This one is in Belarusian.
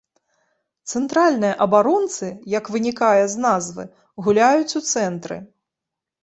Цэнтральныя абаронцы, як вынікае з назвы, гуляюць у цэнтры.